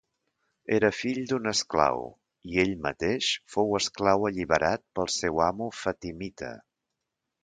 Era fill d'un esclau i ell mateix fou esclau alliberat pel seu amo fatimita.